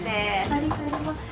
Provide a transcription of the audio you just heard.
２人入れますか？